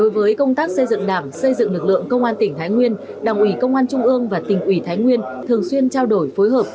với công tác xây dựng đảng xây dựng lực lượng công an tỉnh thái nguyên đảng ủy công an trung ương và tỉnh ủy thái nguyên thường xuyên trao đổi phối hợp